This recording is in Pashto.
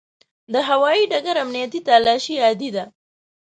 د هوایي ډګر امنیتي تلاشي عادي ده.